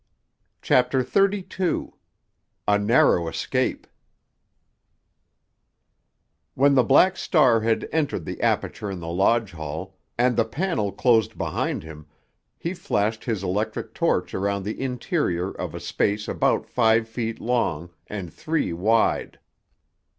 CHAPTER XXXII—A NARROW ESCAPE When the Black Star had entered the aperture in the lodge hall, and the panel closed behind him, he flashed his electric torch around the interior of a space about five feet long and three wide.